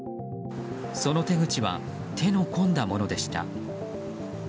その手口は手の込んだものでした。